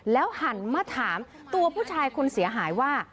หันมาถามตัวผู้ชายคนเสียหายว่า